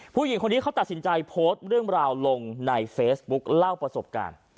ผู้หญิงคนนี้เขาตัดสินใจโพสต์เรื่องราวลงในเฟซบุ๊คเล่าประสบการณ์